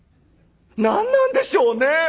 「何なんでしょうね？